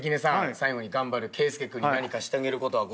最後に頑張る圭佑君に何かしてあげることはございますか？